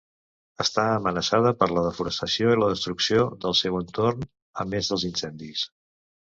Està amenaçada per la desforestació i la destrucció del seu entorn, a més dels incendis.